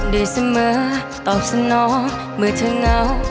ดีเสมอตอบสนองเมื่อเธอเหงา